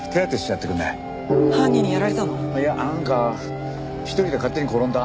いやなんか一人で勝手に転んだ。